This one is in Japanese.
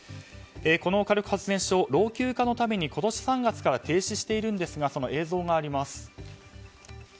この火力発電所老朽化のために今年３月から停止しているんですがその映像です。